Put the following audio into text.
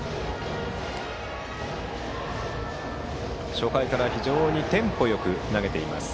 初回から非常にテンポよく投げています。